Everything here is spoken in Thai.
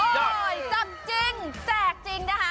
เลยจับจริงแจกจริงนะคะ